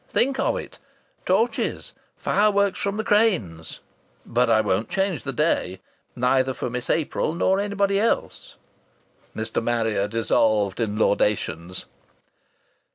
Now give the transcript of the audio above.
Think of it! Torches! Fireworks from the cranes!... But I won't change the day neither for Miss April nor anybody else." Mr. Marrier dissolved in laudations.